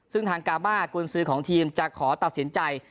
ซึ่งทางกามากุญสือของทีมจะขอตัดสินใจ